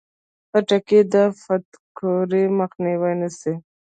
خټکی د فټکاري مخنیوی کوي.